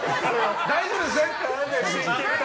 大丈夫ですね？